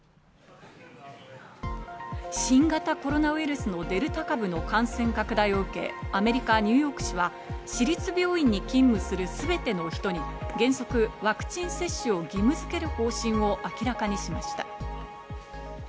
新型コロナウイルスのデルタ株の感染拡大を受け、アメリカ・ニューヨーク市は市立病院に勤務するすべての人に原則、ワクチン接種を義務づける方針を明らかにしました。